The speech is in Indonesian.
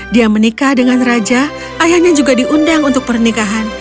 dia menikah dengan raja ayahnya juga diundang untuk pernikahan